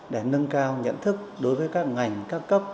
để nâng cao nhận thức đối với các ngành các cấp